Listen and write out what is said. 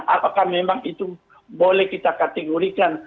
apakah memang itu boleh kita kategorikan